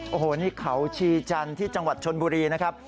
โอ้โหนี่เขาชีจันทร์ที่จังหวัดชนบุรีนะครับ